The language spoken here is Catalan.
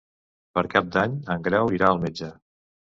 Per Cap d'Any en Grau irà al metge.